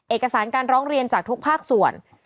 เอกสารการร้องเรียนจากทุกภาคส่วน